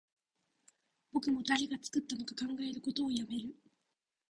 僕も誰が作ったのか考えることをやめる